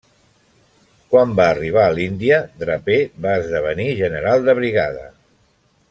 Quan va arribar a l'Índia, Draper va esdevenir general de brigada.